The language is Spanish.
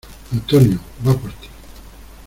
¡ Antonio, va por ti!